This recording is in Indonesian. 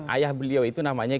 ayah beliau itu namanya